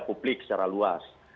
publik secara luas